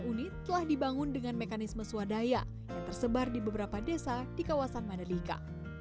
sembilan puluh delapan unit telah dibangun dengan mekanisme swadaya yang tersebar di beberapa desa di kawasan madalika